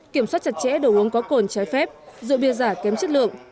kiểm soát chặt chẽ đồ uống có cồn trái phép rượu bia giả kém chất lượng